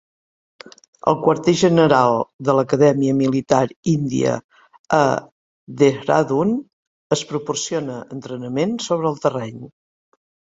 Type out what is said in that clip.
Al quarter general de l"Acadèmia Militar Índia a Dehradun es proporciona entrenament sobre el terreny.